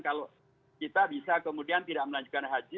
kalau kita bisa kemudian tidak melanjutkan haji